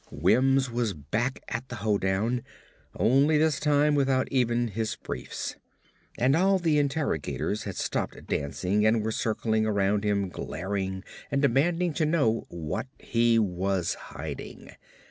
Wims was back at the hoedown only this time without even his briefs. And all the interrogators had stopped dancing and were circled around him, glaring and demanding to know what he was hiding.